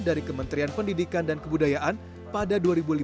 dari kementerian pendidikan dan kebudayaan pada dua ribu lima belas